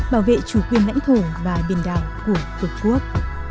bảo vệ chủ quyền lãnh thổ và biển đảo của tổ quốc